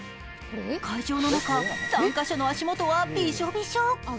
会場の中、参加者の足元はびしょびしょ。